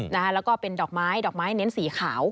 แล้วก็เป็นดอกไม้ดอกไม้เน้นสีขาว